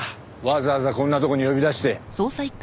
わざわざこんなとこに呼び出して。